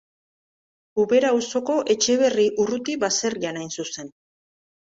Ubera auzoko Etxeberri-Urruti baserrian hain zuzen.